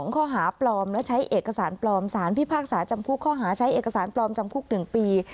ข้อหาปลอมและใช้เอกสารปลอมสารพิพากษาจำคุกข้อหาใช้เอกสารปลอมจำคุก๑ปี